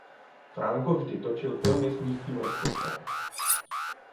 Franco vždy točil filmy s nízkým rozpočtem.